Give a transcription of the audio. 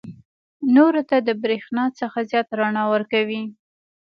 نورو ته د برېښنا څخه زیاته رڼا ورکوي.